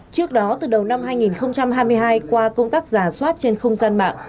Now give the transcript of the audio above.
trước đó từ đầu năm hai nghìn hai mươi hai qua công tác giả soát trên không gian mạng